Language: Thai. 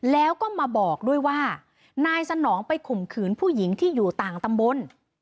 แล้วก็มาบอกด้วยว่านายสนองไปข่มขืนผู้หญิงที่อยู่ต่างตำบล